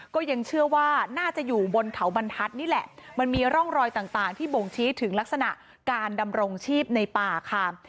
ก็ยังเชื่อว่าน่าจะอยู่บนเขาบรรทัศน์นี่แหละมันมีร่องรอยต่างที่บ่งชี้ถึงลักษณะการดำรงชีพในป่าค่ะ